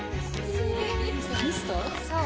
そう。